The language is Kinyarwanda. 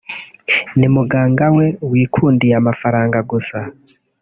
ni umuganga we wikundiye amafaranga gusa”